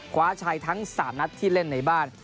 คว้าชัยทั้ง๓นัดที่เล่นในบ้าน